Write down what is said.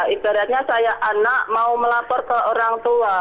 ibaratnya saya anak mau melapor ke orang tua